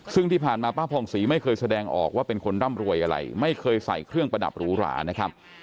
ซึ่งที่ผ่านมาป้าผ่องศรีไม่เคยแสดงออกว่าเป็นคนร่ำรวยอะไรไม่เคยใส่เครื่องประดับหรูหรานะครับ